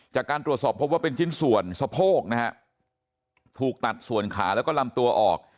จากการตรวจสอบพบว่าเป็นชิ้นส่วนสะโพกนะฮะถูกตัดส่วนขาแล้วก็ลำตัวออก